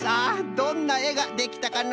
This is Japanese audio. どんなえができたかのう？